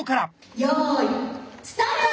よいスタート！